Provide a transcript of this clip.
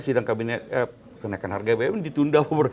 saya sudah kena ke bbm